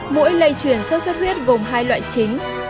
mũi lây truyền sốt xuất huyết gồm hai loại chính